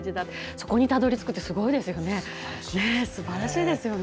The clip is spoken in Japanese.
そこにたどり着くってすばらしいですよね。